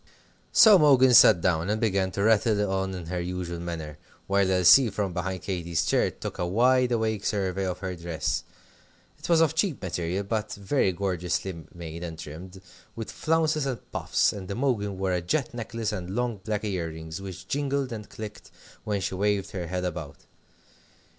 So Imogen sat down and began to rattle on in her usual manner, while Elsie, from behind Katy's chair, took a wide awake survey of her dress. It was of cheap material, but very gorgeously made and trimmed, with flounces and puffs, and Imogen wore a jet necklace and long black ear rings, which jingled and clicked when she waved her head about.